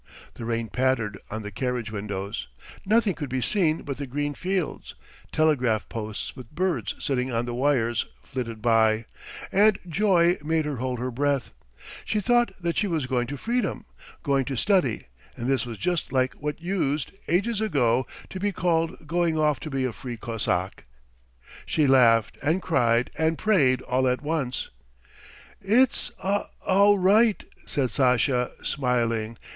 The rain pattered on the carriage windows, nothing could be seen but the green fields, telegraph posts with birds sitting on the wires flitted by, and joy made her hold her breath; she thought that she was going to freedom, going to study, and this was just like what used, ages ago, to be called going off to be a free Cossack. She laughed and cried and prayed all at once. "It's a all right," said Sasha, smiling.